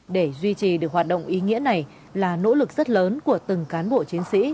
để duy trì được hoạt động ý nghĩa này là nỗ lực rất lớn của từng cán bộ chiến sĩ